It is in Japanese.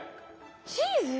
チーズ？